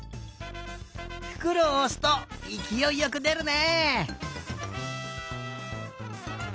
ふくろをおすといきおいよくでるね！